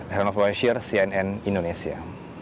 helan wawasir cnn indonesia